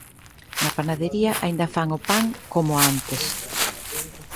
Na panadería aínda fan o pan como antes.